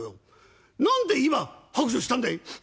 何で今白状したんだい？」。